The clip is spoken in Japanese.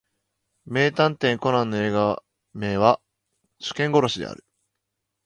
名探偵コナンの映画名は初見殺しである